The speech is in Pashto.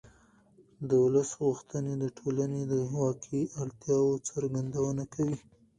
د ولس غوښتنې د ټولنې د واقعي اړتیاوو څرګندونه کوي